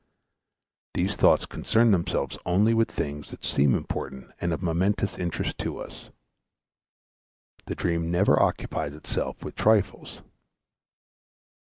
These thoughts concern themselves only with things that seem important and of momentous interest to us. The dream never occupies itself with trifles.